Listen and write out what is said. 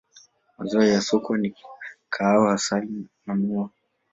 Mazao ya soko ni kahawa, asali na miwa.